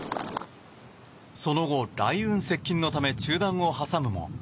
その後、雷雲接近のため中断を挟むも。